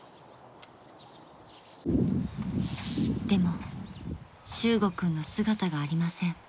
［でも修悟君の姿がありません］